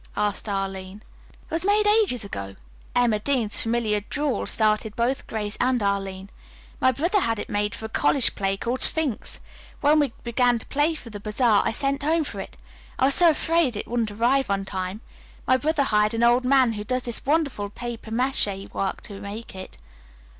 asked Arline. "It was made ages ago." Emma Dean's familiar drawl startled both Grace and Arline. "My brother had it made for a college play called 'Sphinx.' When we began to plan for the bazaar I sent home for it. I was so afraid it wouldn't arrive on time. My brother hired an old man who does this wonderful papier mache work to make it.